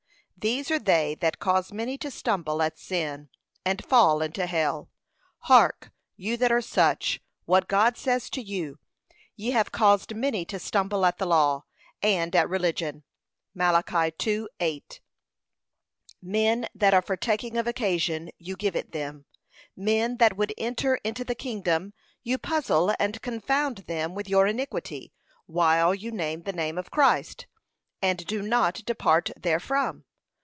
These are they that cause many to stumble at sin, and fall into hell. Hark, you that are such, what God says to you: 'Ye have caused many to stumble at the law,' and at religion. (Mal. 2:8) Men that are for taking of occasion you give it them; men that would enter into the kingdom, you puzzle and confound them with your iniquity, while you name the name of Christ, and do not depart therefrom.